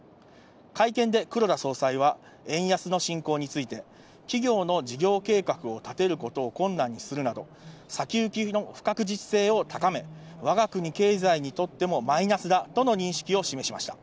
会見で黒田総裁は、円安の進行について、企業の事業計画を立てることを困難にするなど、先行きの不確実性を高め、わが国経済にとってもマイナスだとの認識を示しました。